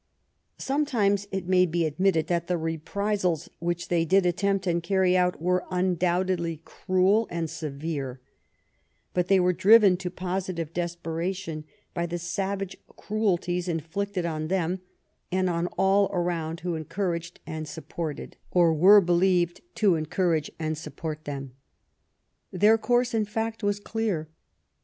Some times it may be admitted the reprisals which they did attempt and carry out were undoubtedly cruel and severe, but they were driven to positive desperation by the savage cruelties inflicted on them and on all around who encouraged and supported, or were believed to en courage and support, them. Their course, in fact, was clear.